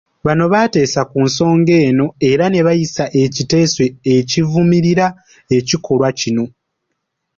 Bano baatesa ku nsonga eno era nebayisa ekiteeso ekivumirira ekikolwa kino.